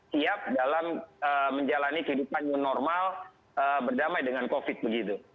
siap dalam menjalani kehidupan new normal berdamai dengan covid begitu